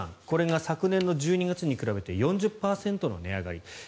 これが昨年の１２月に比べて４０％の値上がり。